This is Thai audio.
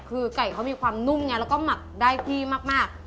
คือไก่เขามีความนุ่มไงแล้วก็หมักได้ที่มาก